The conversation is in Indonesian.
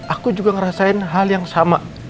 aku juga ngerasain hal yang sama